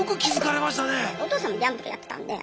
お義父さんもギャンブルやってたんで。